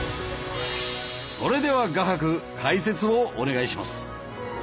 それでは画伯解説をお願いします。